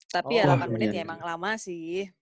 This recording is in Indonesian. tapi ya delapan menit ya emang lama sih